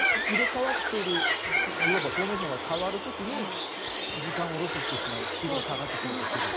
入れ替わっているいわばフォーメーションが変わる時に時間をロスしてしまうスピードが下がってしまうと。